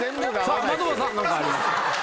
さあ的場さん何かありますか？